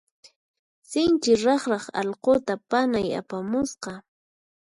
Sinchi raqraq allquta panay apamusqa.